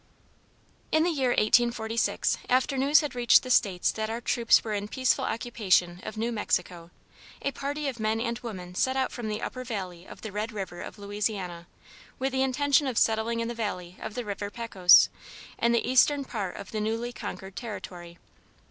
In the year 1846, after news had reached the States that our troops were in peaceful occupation of New Mexico, a party of men and women set out from the upper valley of the Red River of Louisiana, with the intention of settling in the valley of the river Pecos, in the eastern part of the newly conquered territory.